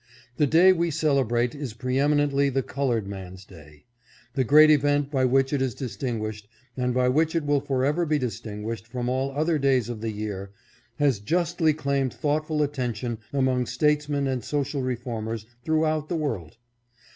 The day we celebrate is preeminently the colored man's day. The great event by which it is distinguished, and by which it will forever be distinguished from all other days of the year, has just ly claimed thoughtful attention among statesmen and social reformers throughout the world.